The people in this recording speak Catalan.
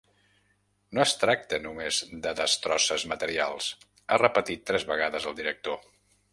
No es tracta només de destrosses materials, ha repetit tres vegades el director.